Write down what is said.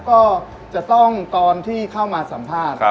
ก็จะต้องตอนที่เข้ามาสัมภาษณ์